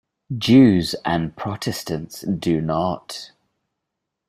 Jews and Protestants do not.